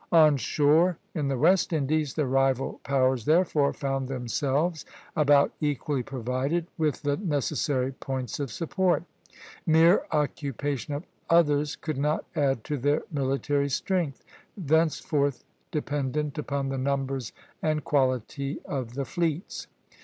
On shore, in the West Indies, the rival powers therefore found themselves about equally provided with the necessary points of support; mere occupation of others could not add to their military strength, thenceforth dependent upon the numbers and quality of the fleets.